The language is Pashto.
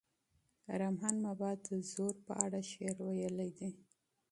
رحمان بابا د زور په اړه شعر ویلی دی.